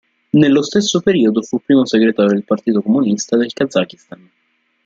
Nello stesso periodo fu Primo segretario del Partito Comunista del Kazakistan.